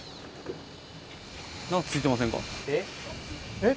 えっ？